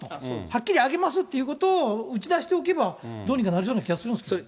はっきり上げますっていうことを打ち出しておけば、どうにかなりそうな気がするんですけど。